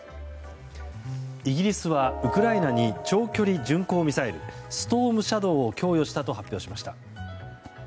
イギリスはウクライナに長距離巡航ミサイルストームシャドウを供与したと発表しました。